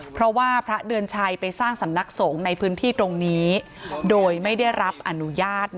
เพราะว่าพระเดือนชัยไปสร้างสำนักสงฆ์ในพื้นที่ตรงนี้โดยไม่ได้รับอนุญาต